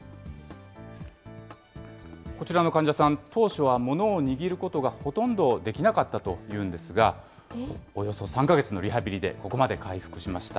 こちらの患者さん、当初はものを握ることがほとんどできなかったというんですが、およそ３か月のリハビリでここまで回復しました。